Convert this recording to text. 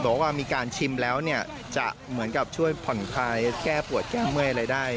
บอกว่ามีการชิมแล้วเนี่ยจะเหมือนกับช่วยผ่อนคลายแก้ปวดแก้เมื่อยอะไรได้